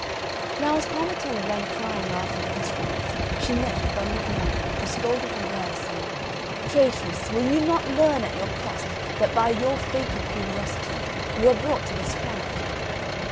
Now as Parmetella ran crying after the instruments, she met Thunder and Lightning, who scolded her well, saying, "Traitress, will you not learn at your cost that by your fatal curiosity you are brought to this plight?"